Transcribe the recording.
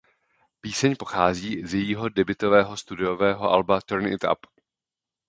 Píseň pochází z jejího debutového studiového alba "Turn It Up".